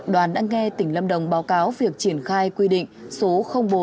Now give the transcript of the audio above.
đoàn đã nghe tỉnh lâm đồng báo cáo việc triển khai quy định số bốn